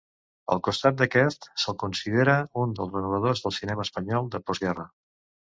Al costat d'aquest, se'l considera un dels renovadors del cinema espanyol de postguerra.